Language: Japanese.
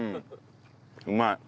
うまい。